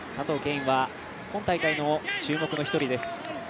允は、今大会の注目の一人です。